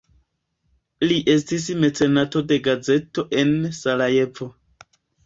Li estis mecenato de gazeto en Sarajevo.